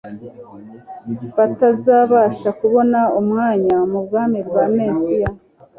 batazabasha kubona umwanya mu bwami bwa Mesiya.